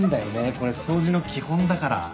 これ掃除の基本だから。